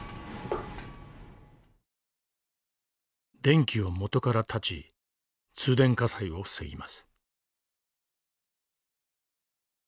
電気を元から断ち通電火災を防ぎます。